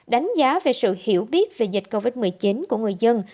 đánh giá về sự hiểu biết về dịch covid một mươi chín của người dân